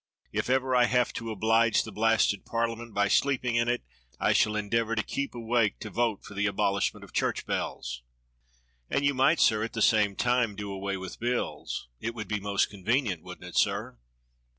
If ever I have to oblige the blasted Parliament by sleeping in it, I shall endeavour to keep awake to vote for the abolishment of church bells." "And you might, sir, at the same time do away with bills. It would be most convenient, wouldn't it, sir.